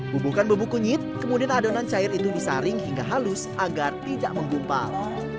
bubuhkan bubuk kunyit kemudian adonan cair itu disaring hingga halus agar tidak menggumpal